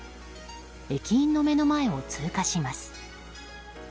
駅員の目の前を通過します。